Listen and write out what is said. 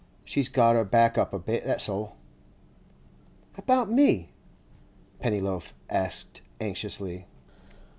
She's got her back up a bit, that's all.' 'About me?' Pennyloaf asked anxiously.